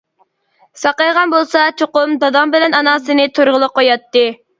ساقايغان بولسا چوقۇم داداڭ بىلەن ئاناڭ سېنى تۇرغىلى قوياتتى.